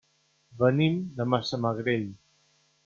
Venim de Massamagrell.